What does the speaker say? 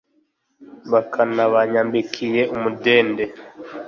bakabanyambikiye umudende